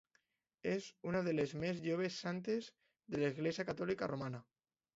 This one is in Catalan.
És una de les més joves santes de l'Església Catòlica Romana.